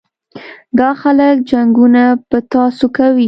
دا خلک جنګونه په تاسو کوي.